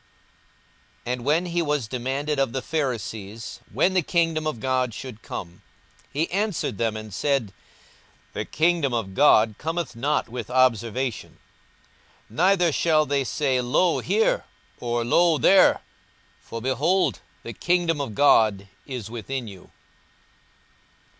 42:017:020 And when he was demanded of the Pharisees, when the kingdom of God should come, he answered them and said, The kingdom of God cometh not with observation: 42:017:021 Neither shall they say, Lo here! or, lo there! for, behold, the kingdom of God is within you.